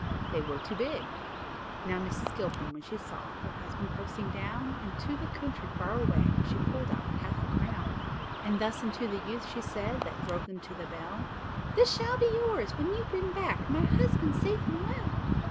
they were too big. Now Mrs. Gilpin, when she saw Her husband posting down Into the country far away, She pulled out half a crown; And thus unto the youth, she said, That drove them to the Bell, "This shall be yours, when you bring back My husband safe and well."